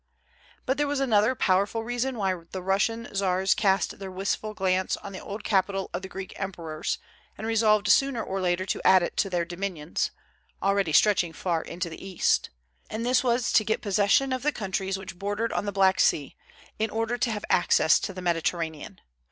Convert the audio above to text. But there was another powerful reason why the Russian czars cast their wistful glance on the old capital of the Greek emperors, and resolved sooner or later to add it to their dominions, already stretching far into the east, and this was to get possession of the countries which bordered on the Black Sea, in order to have access to the Mediterranean.